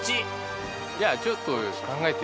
じゃあちょっと。